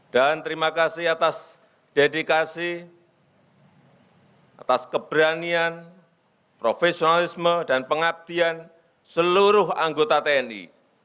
dan terima kasih atas dedikasi atas keberanian profesionalisme dan pengabdian seluruh anggota tni